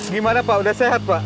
gimana pak udah sehat pak